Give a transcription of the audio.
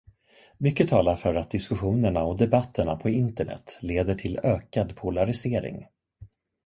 Mycket talar för att diskussionerna och debatterna på internet leder till ökad polarisering.